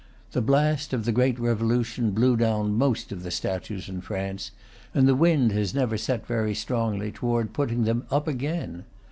The blast of the great Revo lution blew down most of the statues in France, and the wind has never set very strongly toward putting them up again.